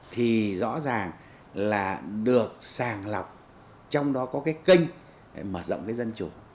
thì rõ ràng là được sàng lọc trong đó có cái kênh mở rộng cái dân chủ